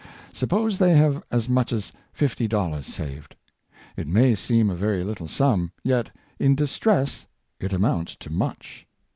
Suppose they have as much as fifty dollars saved. It may seem a very little sum, yet in distress it amounts to much.